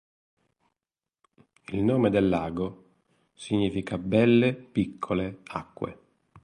Il nome del lago significa "belle piccole acque".